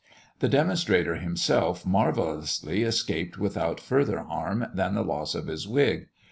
The demonstrator himself marvellously escaped without further harm than the loss of his wig.